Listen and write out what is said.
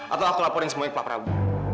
atau aku laporin semuanya ke pak prabowo